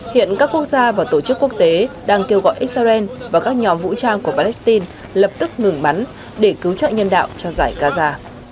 hiện các quốc gia và tổ chức quốc tế đang kêu gọi israel và các nhóm vũ trang của palestine lập tức ngừng bắn để cứu trợ nhân đạo cho giải gaza